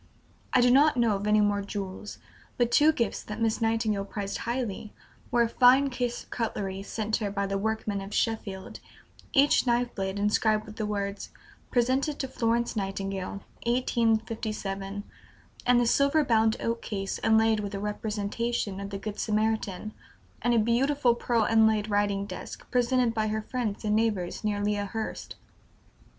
I do not know of any more jewels; but two gifts that Miss Nightingale prized highly were a fine case of cutlery sent her by the workmen of Sheffield, each knife blade inscribed with the words "Presented to Florence Nightingale, 1857," and the silver bound oak case inlaid with a representation of the Good Samaritan; and a beautiful pearl inlaid writing desk, presented by her friends and neighbors near Lea Hurst.